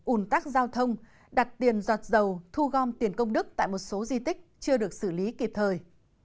ủn tắc giao thông đặt tiền giọt dầu thu gom tiền công đức tại một số di tích chưa được xử lý kịp thời